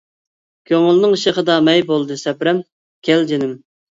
كۆڭۈلنىڭ شېخىدا مەي بولدى سەبرەم، كەل، جېنىم!